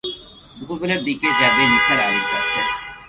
দুপুরবেলার দিকে যাবে নিসার আলির কাছে।